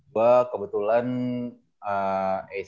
jadi kebetulan eh eses